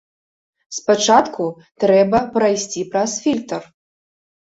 Спачатку трэба прайсці праз фільтр.